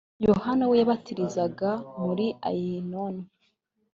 yohana we yabatirizaga muri ayinoni